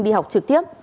đi học trực tiếp